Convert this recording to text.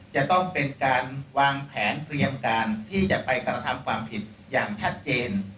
จะต้องเป็นการวางแผนเตรียมการที่จะไปกระทำความผิดอย่างชัดเจน